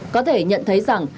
có thể nhận thấy rằng